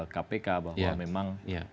kpk bahwa memang